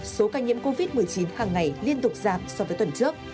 số ca nhiễm covid một mươi chín hàng ngày liên tục giảm so với tuần trước